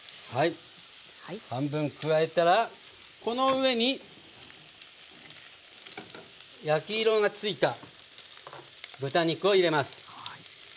半分加えたらこの上に焼き色がついた豚肉を入れます。